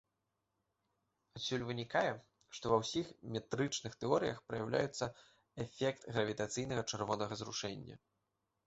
Адсюль вынікае, што, ва ўсіх метрычных тэорыях праяўляецца эфект гравітацыйнага чырвонага зрушэння.